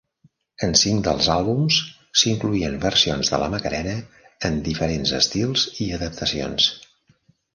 En cinc dels àlbums, s'incloïen versions de la "Macarena", en diferents estils i adaptacions.